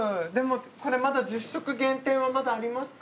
これ１０食限定はまだありますか？